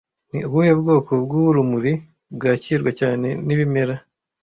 Ni ubuhe bwoko bw'urumuri bwakirwa cyane n'ibimera